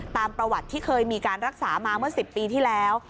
ตามประวัติที่เคยมีการรักษามาเมื่อ๑๐ปีที่แล้ว